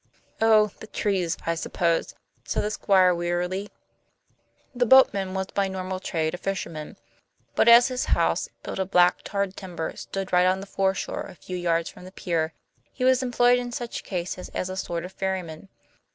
"Oh, the trees, I suppose!" said the Squire wearily. The boatman was by normal trade a fisherman; but as his house, built of black tarred timber, stood right on the foreshore a few yards from the pier, he was employed in such cases as a sort of ferryman.